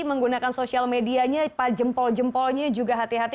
menggunakan sosial medianya jempol jempolnya juga hati hati